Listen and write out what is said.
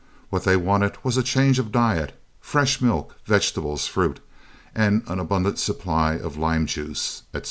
What they wanted was a change of diet fresh milk, vegetables, fruit, and an abundant supply of lime juice, etc.